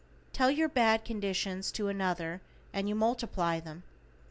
Tell your bad conditions to another and you multiply them.